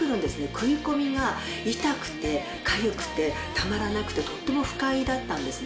食い込みが痛くてかゆくてたまらなくてとっても不快だったんですね。